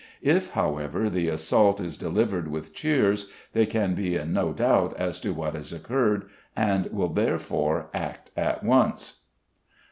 If, however, the assault is delivered with cheers they can be in no doubt as to what has occurred, and will, therefore, act at once.